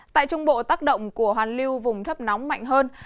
tại trung bộ tác động của hàn liêu vùng thấp nóng mạnh hơn